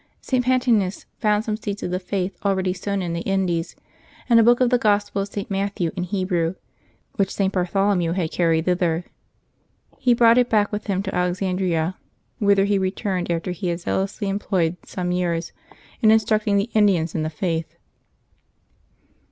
St. Pantgenus found some seeds of the faith already sown in the Indies, and a book of the Gospel of St. Matthew in Hebrew, which St. Bartliolo mew had carried thither. He brought it back with him to Alexandria, whither he returned after he had zealously employed some years in instructing the Indians in the faith.